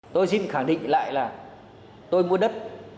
tôi xin khẳng định lại là tôi mua đất